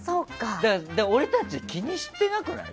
俺たち、気にしてなくない？